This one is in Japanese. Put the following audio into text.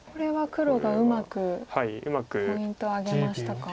これは黒がうまくポイントを挙げましたか。